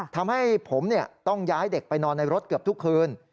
ทำให้ผมต้องย้ายเด็กไปนอนในรถเกือบทุกคืน